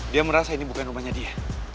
dia merasa ini bukan rumahnya dia